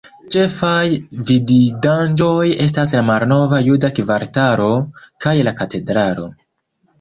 Ĉefaj vidindaĵoj estas la malnova juda kvartalo, kaj la Katedralo.